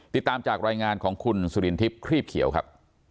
ติดตามจากรายงานของคุณสุรินทิพย์ครีบเขียวครับ